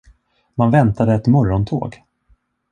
Man väntade ett morgontåg.